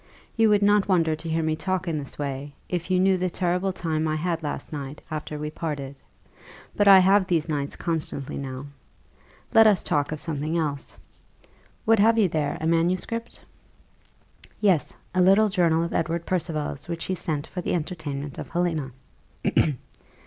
You would not wonder to hear me talk in this way, if you knew the terrible time I had last night after we parted. But I have these nights constantly now. Let us talk of something else. What have you there a manuscript?" "Yes, a little journal of Edward Percival's, which he sent for the entertainment of Helena."